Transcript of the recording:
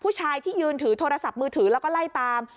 ผู้ชายที่ยืนถือโทรศัพท์มือถือแล้วก็ไล่ตาม